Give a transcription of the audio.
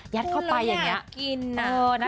ยัดเข้าไปอย่างนี้พูดให้อยากกินน่ะ